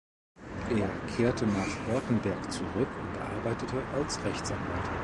Er kehrte nach Ortenberg zurück und arbeitete als Rechtsanwalt.